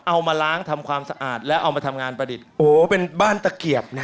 เอามาล้างทำความสะอาดแล้วเอามาทำงานประดิษฐ์โอ้โหเป็นบ้านตะเกียบนะฮะ